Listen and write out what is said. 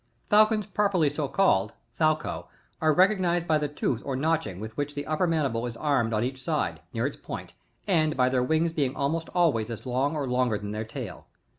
33. Falcons properly «o cALLED—Fcf/co, — are recognised by the tooth or notching with which the upper mandible is armed * on each side, near its point, and by their wings being almost always as long or longer than their tail.